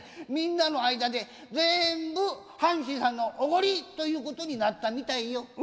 みんなの間でぜんぶ阪神さんのおごりということになったみたいよ。